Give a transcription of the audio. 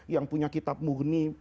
yang punya kitab murni